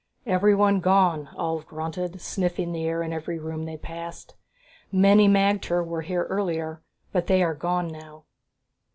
"Everyone gone," Ulv grunted, sniffing the air in every room that they passed. "Many magter were here earlier, but they are gone now."